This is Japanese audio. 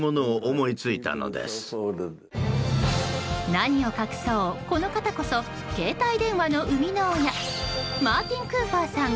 何を隠そう、この方こそ携帯電話の生みの親マーティン・クーパーさん